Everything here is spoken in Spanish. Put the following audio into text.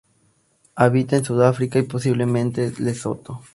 Habita en Sudáfrica y posiblemente Lesoto.